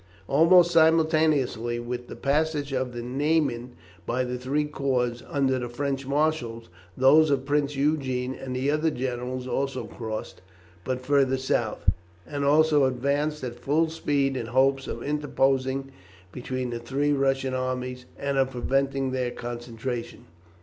Almost simultaneously with the passage of the Niemen by the three corps under the French marshals, those of Prince Eugene and the other generals also crossed, but further south, and also advanced at full speed in hopes of interposing between the three Russian armies, and of preventing their concentration.